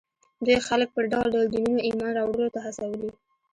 دوی خلک پر ډول ډول دینونو ایمان راوړلو ته هڅولي